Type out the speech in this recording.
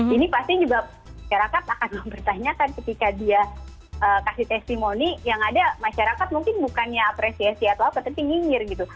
ini pasti juga masyarakat akan mempertanyakan ketika dia kasih testimoni yang ada masyarakat mungkin bukannya apresiasi atau apa tapi nyinyir gitu